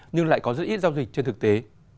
nhưng lại có rất ít giao dịch trên thực tế